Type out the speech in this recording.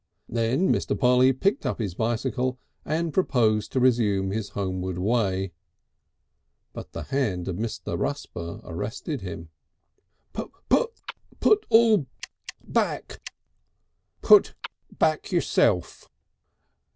Then Mr. Polly picked up his bicycle and proposed to resume his homeward way. But the hand of Mr. Rusper arrested him. "Put it (kik) all (kik kik) back (kik)." "Put it (kik) back yourself."